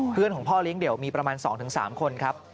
เพื่อนของพ่อเลี้ยเดี่ยวมีประมาณ๒๓คนครับ